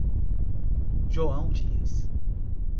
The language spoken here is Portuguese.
João Dias